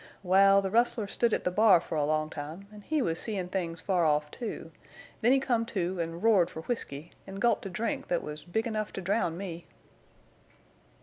Wal, the rustler stood at the bar fer a long time, en' he was seein' things far off, too; then he come to an' roared fer whisky, an' gulped a drink thet was big enough to drown me."